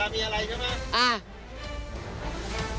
มีอะไรใช่ไหม